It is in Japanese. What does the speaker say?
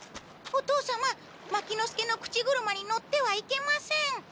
お父様牧之介の口車に乗ってはいけません。